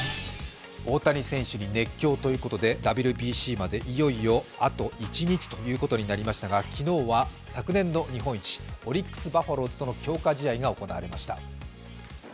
大谷選手に熱狂ということでＷＢＣまでいよいよあと一日となりましたが昨日は昨年度日本一、オリックス・バファローズとの強化試合が行われました。